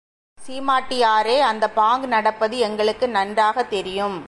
சீமாட்டியாரே, அந்த பாங்க் நடப்பது எங்களுக்கு நன்றாகத் தெரியும்.